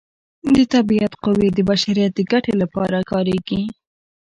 د طبیعت قوې د بشریت د ګټې لپاره کاریږي.